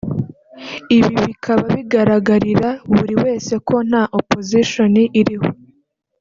Ibi bikaba bigaragarira buri wese ko nta Opposition iriho